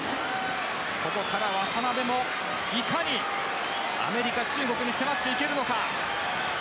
ここから渡辺もいかにアメリカ、中国に迫っていけるのか。